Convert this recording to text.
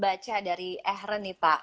saya coba baca dari ehren nih pak